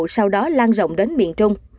sau đó lan rộng đến miền trung